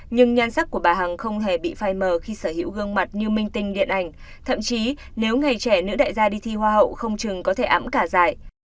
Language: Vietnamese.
nhưng nhan sắc của bà hằng không hề bị phai mờ khi sở hữu gương mặt như minh tinh điện ảnh thậm chí nếu ngày trẻ nữ đại gia đi thi hoa hậu không chừng có thể ám cả dài